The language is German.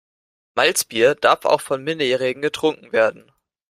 Malzbier darf auch von Minderjährigen getrunken werden.